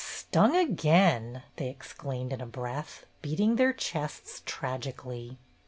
"Stung again !" they exclaimed in a breath, beating their chests tragically.